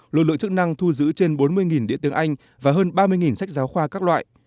lực lượng chức năng thu giữ trên bốn mươi đĩa tướng anh và hơn ba mươi sách giáo khoa các loại